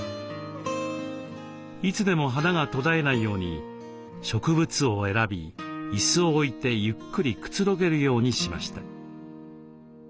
いつでも花が途絶えないように植物を選び椅子を置いてゆっくりくつろげるようにしました。